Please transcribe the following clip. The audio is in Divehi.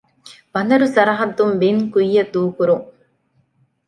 ބަނދަރު ސަރަޙައްދުން ބިން ކުއްޔަށް ދޫކުރުން